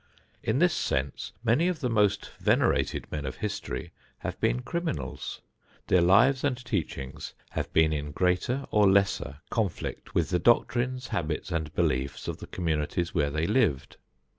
In this sense many of the most venerated men of history have been criminals; their lives and teachings have been in greater or lesser conflict with the doctrines, habits and beliefs of the communities where they lived.